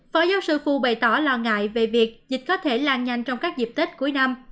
phó giáo sư phu bày tỏ lo ngại về việc dịch có thể lan nhanh trong các dịp tết cuối năm